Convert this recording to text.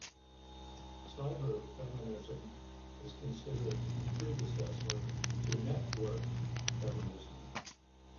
Cyberfeminism is considered a predecessor to networked feminism.